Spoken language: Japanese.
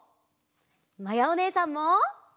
まやおねえさんも。